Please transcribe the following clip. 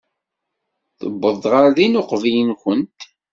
Tuweḍ ɣer din uqbel-nwent.